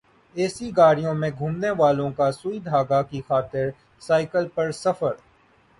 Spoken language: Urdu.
اے سی گاڑیوں میں گھومنے والوں کا سوئی دھاگا کی خاطر سائیکل پر سفر